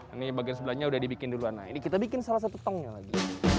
ini bagian sebelahnya udah dibikin duluan nah ini kita bikin salah satu tongnya lagi